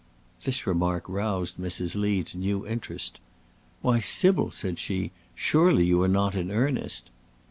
This remark roused Mrs. Lee to new interest: "Why, Sybil," said she, "surely you are not in earnest?"